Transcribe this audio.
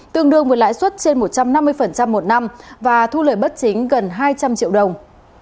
tương đương với lãi suất trên một trăm năm mươi một năm và thu lời bất chính gần hai trăm linh triệu đồng